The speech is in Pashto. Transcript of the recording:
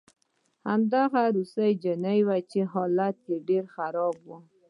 دا هماغه روسۍ نجلۍ وه چې حالت یې ډېر خراب و